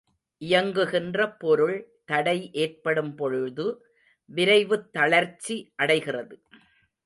இயங்குகின்ற பொருள் தடை ஏற்படும்பொழுது விரைவுத்தளர்ச்சி அடைகிறது.